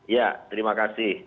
ya terima kasih